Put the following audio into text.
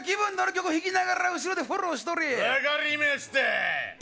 曲弾きながら後ろでフォローしとれや分かりました